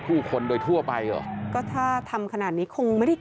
ตอนนี้จะทำสวัสดีกันง่าย